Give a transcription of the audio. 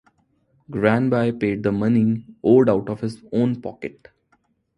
Granby paid the money owed out of his own pocket.